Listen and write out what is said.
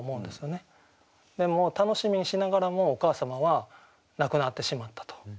でも楽しみにしながらもお母様は亡くなってしまったと。